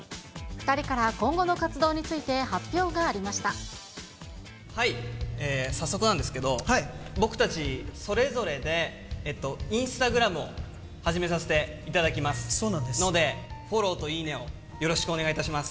２人から今後の活動について早速なんですけど、僕たち、それぞれでインスタグラムを始めさせていただきますので、フォローといいねをよろしくお願いいたします。